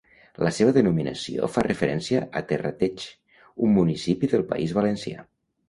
La seva denominació fa referència a Terrateig, un municipi del País Valencià.